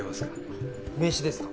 あっ名刺ですか？